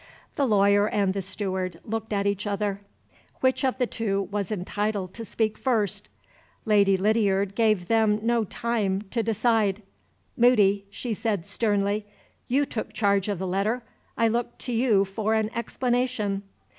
The lawyer and the steward looked at each other. Which of the two was entitled to speak first? Lady Lydiard gave them no time to decide. "Moody," she said sternly, "you took charge of the letter I look to you for an explanation."